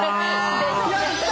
やった！